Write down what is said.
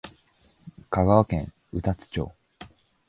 香川県宇多津町